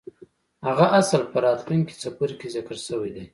هغه اصل په راتلونکي څپرکي کې ذکر شوی دی.